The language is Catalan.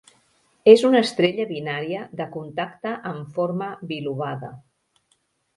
És una estrella binària de contacte amb forma bilobada.